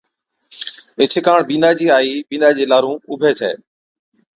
ايڇي ڪاڻ بِينڏا چِي آئِي بِينڏا چي لارُون اُڀي ڇَي